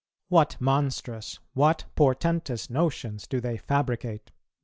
.. What monstrous, what portentous notions do they fabricate!